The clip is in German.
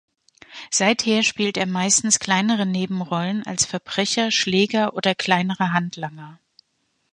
Seither spielt er meistens kleinere Nebenrollen als Verbrecher, Schläger oder kleinere Handlanger.